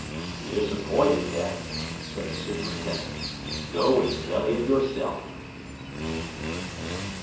"He is appointed, then," said the superintendent. "Go and tell him yourself."